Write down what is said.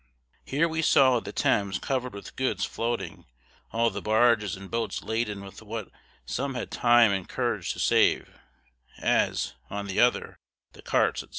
Here we saw the Thames covered with goods floating, all the barges and boats laden with what some had time and courage to save, as, on the other, the carts, &c.